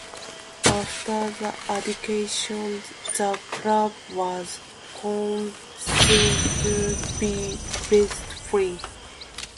After the Administration, the Club was considered to be "debt free".